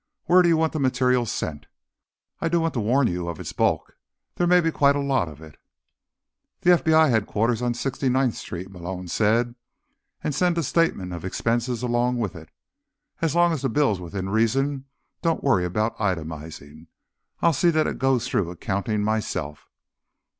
Where do you want the material sent? I do want to warn you of its bulk; there may be quite a lot of it." "FBI Headquarters, on 69th Street," Malone said. "And send a statement of expenses along with it. As long as the bill's within reason, don't worry about itemizing; I'll see that it goes through Accounting myself."